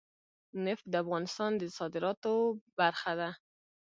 نفت د افغانستان د صادراتو برخه ده.